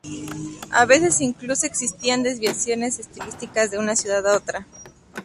A veces incluso existían desviaciones estilísticas de una ciudad a otra.